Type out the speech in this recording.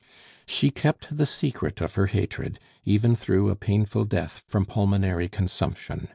She kept the secret of her hatred even through a painful death from pulmonary consumption.